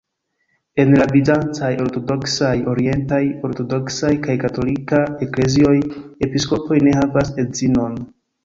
En la bizancaj ortodoksaj, orientaj ortodoksaj kaj katolika eklezioj, episkopoj ne havas edzinon.